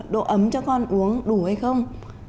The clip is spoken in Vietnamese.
độ ấm cho con uống đủ hay không